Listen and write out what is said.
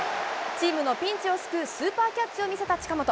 チームのピンチを救うスーパーキャッチを見せた近本。